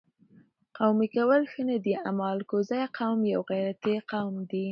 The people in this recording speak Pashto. قومي کول ښه نه دي اما الکوزی قوم یو غیرتي قوم دي